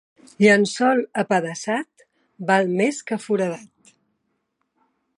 Llençol apedaçat val més que foradat.